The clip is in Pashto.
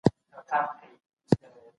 موږ به تا ساتو